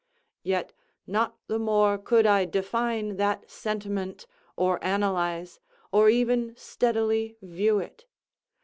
Yet not the more could I define that sentiment, or analyze, or even steadily view it.